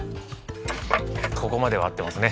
ここまでは合ってますね